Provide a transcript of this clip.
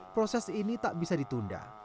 proses ini tak bisa ditunda